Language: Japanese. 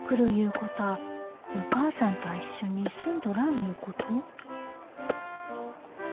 こたあお母さんたあ一緒に住んどらんいうこと？